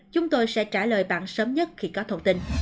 chúng tôi sẽ trả lời bạn sớm nhất khi có thông tin